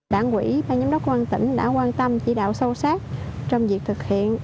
đảng quỹ bang giám đốc công an tỉnh đã quan tâm chỉ đạo sâu sát trong việc thực hiện